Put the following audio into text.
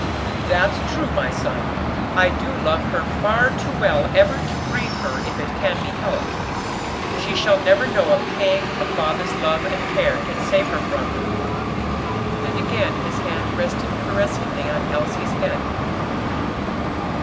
"That's true, my son; I do love her far too well ever to grieve her if it can be helped. She shall never know a pang a father's love and care can save her from." And again his hand rested caressingly on Elsie's head.